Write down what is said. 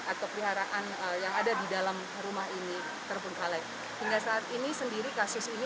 atau peliharaan yang ada di dalam rumah ini terbengkalai hingga saat ini sendiri kasus ini